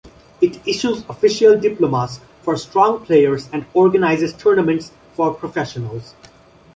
It issues official diplomas for strong players and organizes tournaments for professionals.